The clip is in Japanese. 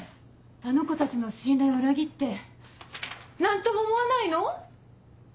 あの子たちの信頼を裏切って何とも思わないの？